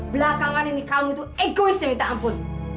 belakangan ini kamu itu egoisnya minta ampun